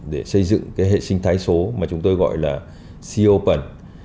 để xây dựng hệ sinh thái số mà chúng tôi gọi là c open